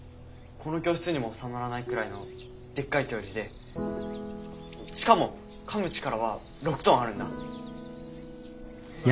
この教室にも収まらないくらいのでっかい恐竜でしかもかむ力は６トンあるんだ。